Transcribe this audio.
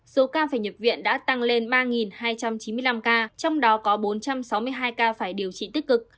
số ca phải nhập viện đã tăng lên ba hai trăm chín mươi năm ca trong đó có bốn trăm sáu mươi hai ca phải điều trị tích cực